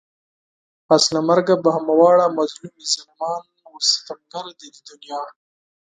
پس له مرگه به همه واړه مظلوم وي ظالمان و ستمگار د دې دنيا